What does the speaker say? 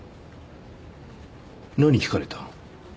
何聞かれた？